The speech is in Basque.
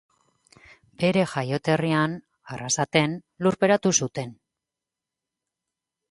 Bere jaioterrian, Arrasaten, lurperatu zuten.